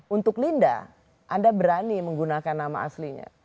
untuk linda anda berani menggunakan nama aslinya